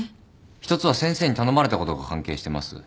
１つは先生に頼まれたことが関係してます。